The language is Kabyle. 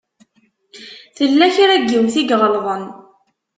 Tella kra n yiwet i iɣelḍen.